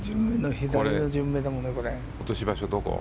落とし場所はどこ？